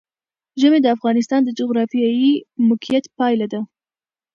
ژمی د افغانستان د جغرافیایي موقیعت پایله ده.